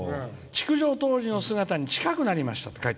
「築城当時の姿に近くなりました。